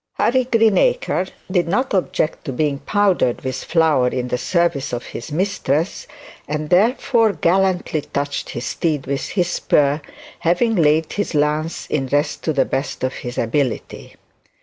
Harry Greenacre did not object to being powdered with flour in the service of his mistress, and therefore gallantly touched his steed with his spur, having laid his lance in rest to the best of his ability.